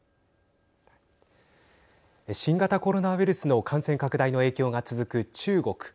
新型コロナウイルスの感染拡大の影響が続く中国。